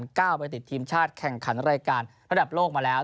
ก้าวไปติดทีมชาติแข่งขันรายการระดับโลกมาแล้ว